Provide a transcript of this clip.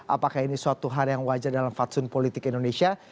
apakah ini suatu hal yang wajar dalam fatsun politik indonesia